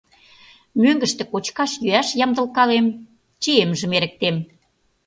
Мӧҥгыштӧ кочкаш-йӱаш ямдылкалем, чиемжым эрыктем.